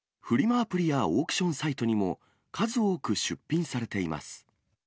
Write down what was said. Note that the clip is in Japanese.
アプリやオークションサイトにも、数多く出品されています。